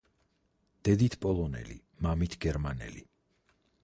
დედით პოლონელი, მამით გერმანელი.